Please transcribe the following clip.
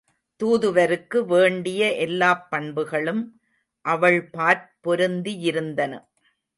தூதுவருக்கு வேண்டிய எல்லாப் பண்புகளும் அவள்பாற் பொருந்தியிருந்தன.